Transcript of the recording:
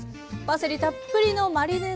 パセリたっぷりのマリネ